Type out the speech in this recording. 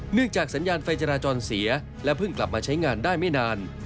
จากสัญญาณไฟจราจรเสียและเพิ่งกลับมาใช้งานได้ไม่นาน